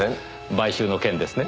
買収の件ですね？